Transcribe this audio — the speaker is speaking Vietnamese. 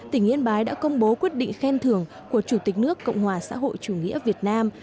tỉnh yên bái đã công bố quyết định khen thưởng của chủ tịch nước cộng hòa xã hội chủ nghĩa việt nam